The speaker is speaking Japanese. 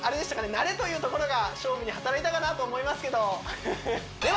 慣れというところが勝負に働いたかなと思いますけどでは